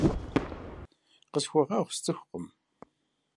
Къысхуэгъуэгъу, сцӏыхукъым.